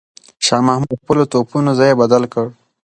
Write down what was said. شاه محمود د خپلو توپونو ځای بدل کړ.